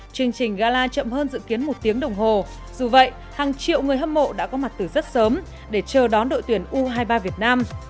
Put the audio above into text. chương trình gala chậm hơn dự kiến một tiếng đồng hồ dù vậy hàng triệu người hâm mộ đã có mặt từ rất sớm để chờ đón đội tuyển u hai mươi ba việt nam